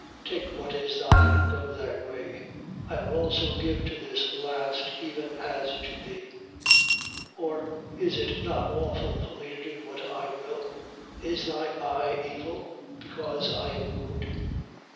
20:14. Take what is thine, and go thy way: I will also give to this last even as to thee. 20:15. Or, is it not lawful for me to do what I will? Is thy eye evil, because I am good?